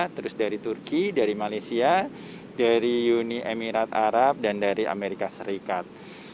terus dari turki dari malaysia dari uni emirat arab dan dari amerika serikat